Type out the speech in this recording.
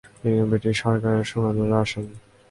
তিনি ব্রিটিশ সরকারের সুনজরে আসেন।